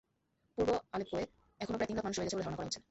পূর্ব আলেপ্পোয় এখনো প্রায় তিন লাখ মানুষ রয়ে গেছে বলে ধারণা করা হচ্ছে।